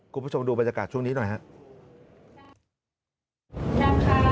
คุณผู้ชมดูบรรยากาศช่วงนี้หน่อยครับ